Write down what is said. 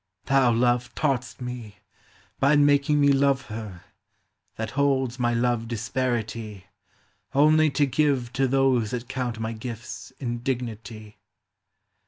Thou, Love, taught'st me, by making me Love her, that holds my love disparity, Only to give to those that count my gifts indignity.